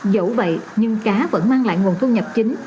dẫu vậy nhưng cá vẫn mang lại nguồn thu nhập chính